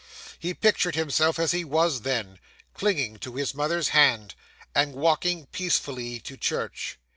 He pictured himself as he was then, clinging to his mother's hand, and walking peacefully to church.